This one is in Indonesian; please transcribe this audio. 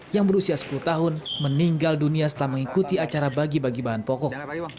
yang berusia sepuluh tahun meninggal dunia setelah mengikuti acara bagi bagi bahan pokok